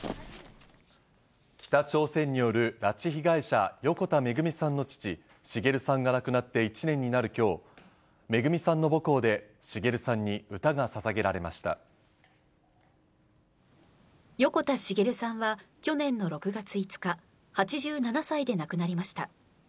北朝鮮による拉致被害者、横田めぐみさんの父、滋さんが亡くなって１年になるきょう、めぐみさんの母校で、横田滋さんは去年の６月５日、８７歳で亡くなりました。